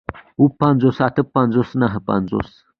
اووه پنځوس اتۀ پنځوس نهه پنځوس